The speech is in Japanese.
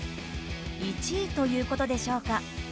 １位ということでしょうか。